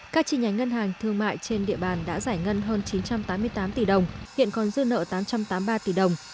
các chi nhánh ngân hàng thương mại trên địa bàn đã giải ngân hơn chín trăm tám mươi tám tỷ đồng hiện còn dư nợ tám trăm tám mươi ba tỷ đồng